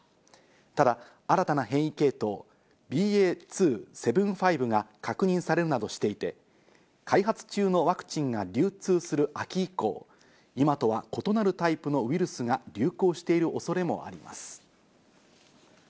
ただ新たな変異系統、ＢＡ．２．７５が確認されるなどしていて、開発中のワクチンが流通する秋以降、今とは異なるタイプのウイルスが流行している恐れもあります。